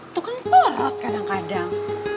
tukang polat kadang kadang